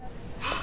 あ！